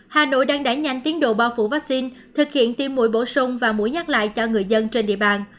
hà nội đang đẩy nhanh tiến độ bao phủ vaccine thực hiện tiêm mũi bổ sung và mũi nhắc lại cho người dân trên địa bàn